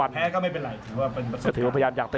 อัศวินาศาสตร์